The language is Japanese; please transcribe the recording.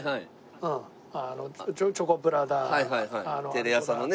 テレ朝のね